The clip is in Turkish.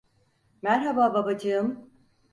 Merhaba babacığım.